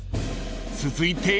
［続いて］